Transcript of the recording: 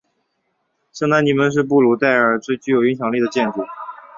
圣丹尼门是布隆代尔最有影响力建筑。